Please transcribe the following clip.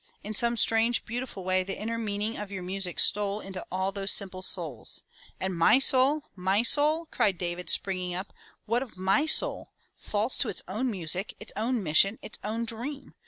In some strange beautiful way the inner meaning of your music stole into all those simple souls —" "And my soul, my soul!" cried David springing up. "What of my soul? False to its own music, its own mission, its own dream.